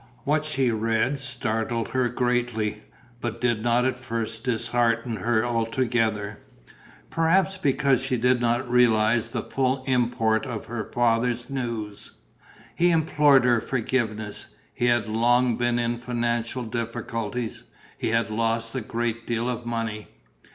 What she read startled her greatly, but did not at first dishearten her altogether, perhaps because she did not realize the full import of her father's news. He implored her forgiveness. He had long been in financial difficulties. He had lost a great deal of money.